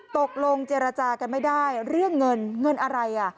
ตกลงเจรจากันไม่ได้เรื่องเงินเงินอะไรอ่ะ